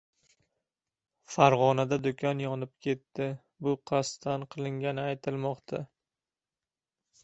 Farg‘onada do‘kon yonib ketdi. Bu qasddan qilingani aytilmoqda